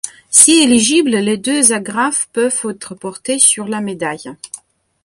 Si éligible, les deux agrafes peuvent être portés sur la médaille.